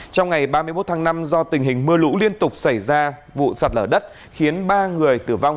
trong ngày ba mươi một tháng năm do tình hình mưa lũ liên tục xảy ra vụ sạt lở đất khiến ba người tử vong